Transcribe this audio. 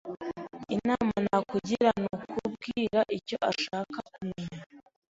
Inama nakugira nukubwira icyo ashaka kumenya.